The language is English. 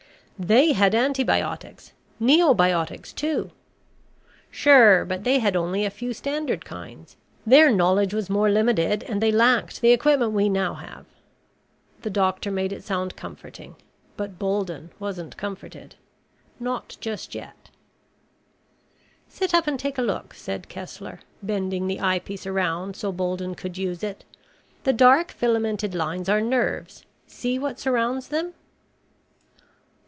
"They had antibiotics. Neobiotics, too." "Sure. But they had only a few standard kinds. Their knowledge was more limited and they lacked the equipment we now have." The doctor made it sound comforting. But Bolden wasn't comforted. Not just yet. "Sit up and take a look," said Kessler, bending the eyepiece around so Bolden could use it. "The dark filamented lines are nerves. See what surrounds them?"